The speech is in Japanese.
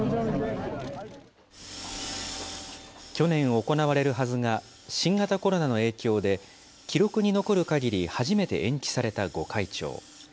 去年行われるはずが、新型コロナの影響で記録に残るかぎり初めて延期された御開帳。